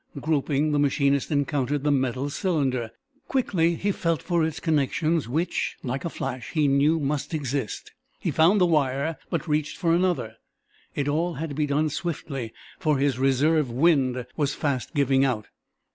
Groping, the machinist encountered the metal cylinder. Quickly he felt for its connections which, like a flash, he knew must exist. He found the wire, but reached for another. It all had to be done swiftly, for his reserve "wind" was fast giving out.